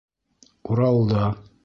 Уралда